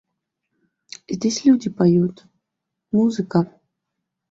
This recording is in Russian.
– Здесь люди поют… музыка.